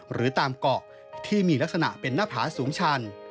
หรือตามเกาะที่มีลักษณะเป็นหน้าผาสูงชัน